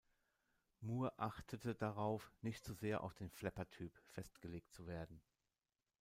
Moore achtete darauf, nicht zu sehr auf den "Flapper"-Typ festgelegt zu werden.